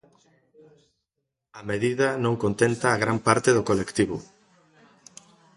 A medida non contenta a gran parte do colectivo.